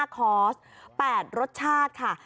คอร์ส๘รสชาติค่ะ